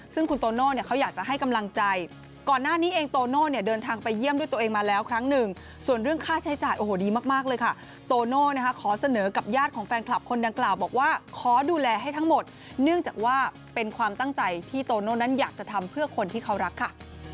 ซึ่งคุณโตโน่เนี่ยเขาอยากจะให้กำลังใจก่อนหน้านี้เองโตโน่เนี่ยเดินทางไปเยี่ยมด้วยตัวเองมาแล้วครั้งหนึ่งส่วนเรื่องค่าใช้จ่ายโอ้โหดีมากเลยค่ะโตโน่นะคะขอเสนอกับญาติของแฟนคลับคนดังกล่าวบอกว่าขอดูแลให้ทั้งหมดเนื่องจากว่าเป็นความตั้งใจที่โตโน่นั้นอยากจะทำเพื่อคนที่เขารักค่ะ